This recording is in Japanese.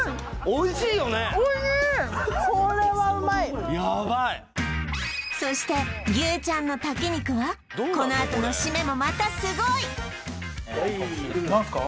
おいしいこれはうまいヤバいそして牛ちゃんの炊き肉はこのあとのシメもまたすごい何すか？